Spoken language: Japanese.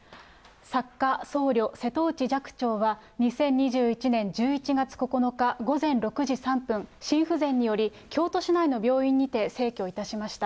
作家、僧侶、瀬戸内寂聴は、２０２１年１１月９日、午前６時３分、心不全により、京都市内の病院にて逝去いたしました。